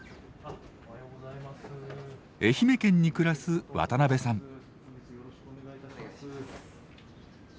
愛媛県に暮らす渡部さん。